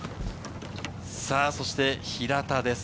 そして平田です。